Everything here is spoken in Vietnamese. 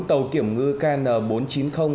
tàu kiểm ngư kn bốn trăm chín mươi